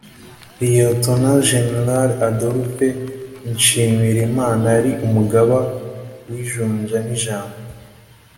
Lieutenant Géneral Adolphe Nshimirimana yari umugabo w’ijunja n’ijambo